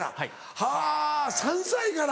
はぁ３歳から。